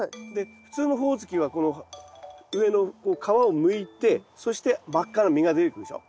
普通のホオズキはこの上の皮をむいてそして真っ赤な実が出てくるでしょ。